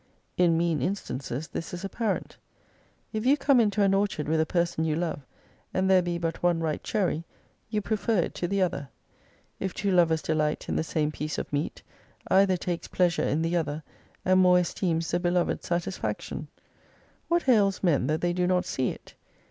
In mean instances this is apparent. If you come into an orchard with a person you love, and there be but one ripe cherry you prefer it to the other. If two lovers delight in the same piece of meat, either takes pleasure in the other, and more esteems the beloved's satisfac tion. What ails men that they do not see it